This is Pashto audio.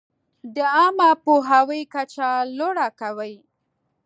د عامه پوهاوي کچه لوړه کوي.